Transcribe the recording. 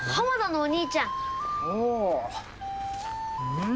うん？